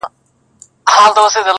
شور د کربلا کي به د شرنګ خبري نه کوو!!